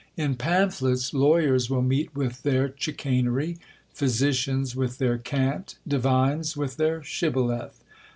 In pamphlets lawyers will meet with their chicanery, physicians with their cant, divines with their Shibboleth.